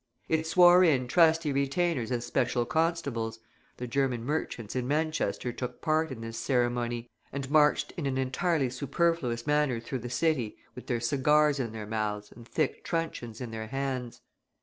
It swore in trusty retainers as special constables (the German merchants in Manchester took part in this ceremony, and marched in an entirely superfluous manner through the city with their cigars in their mouths and thick truncheons in their hands).